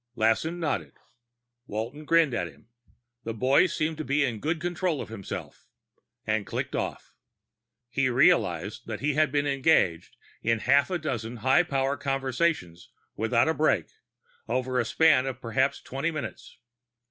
Lassen nodded. Walton grinned at him the boy seemed to be in good control of himself and clicked off. He realized that he'd been engaged in half a dozen high power conversations without a break, over a span of perhaps twenty minutes.